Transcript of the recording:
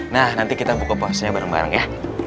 nah nanti kita buka puasanya bareng bareng ya